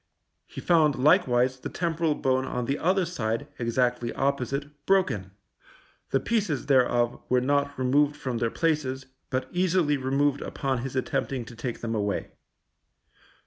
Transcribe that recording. He found, likewise, the temporal bone on the other side, exactly opposite, broken; the pieces thereof were not removed from their places, but easily removed upon his attempting to take them away.